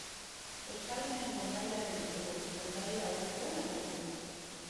Euskaldunen kondairaren edo kondaira aurrekoen azalpena.